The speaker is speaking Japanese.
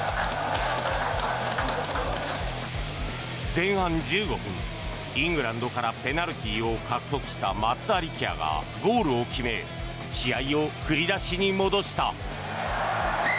前半１５分、イングランドからペナルティーを獲得した松田力也がゴールを決め試合を振り出しに戻した。